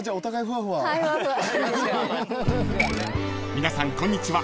［皆さんこんにちは